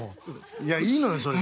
いやいいのよそれ。